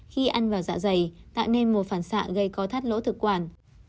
khi ăn vào dạ dày tạo nên một phản xạ gây co thắt lỗ thực quản